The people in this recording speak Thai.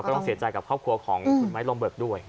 ต้องเสียใจกับครอบครัวของคุณไม้ลมเบิกด้วย